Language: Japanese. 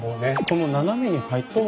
この斜めに入った線。